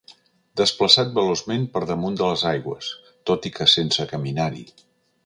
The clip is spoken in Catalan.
Desplaçat veloçment per damunt de les aigües, tot i que sense caminar-hi.